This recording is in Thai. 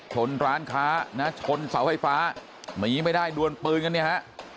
ร้านค้านะชนเสาไฟฟ้าหนีไม่ได้ดวนปืนกันเนี่ยฮะ